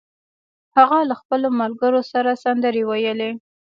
هغه له خپلو ملګرو سره سندرې ویلې